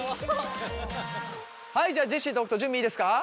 はいじゃあジェシーと北斗準備いいですか？